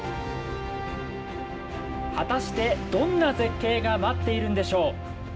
果たしてどんな絶景が待っているんでしょう？